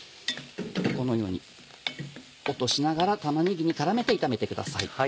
このように落としながら玉ねぎに絡めて炒めてください。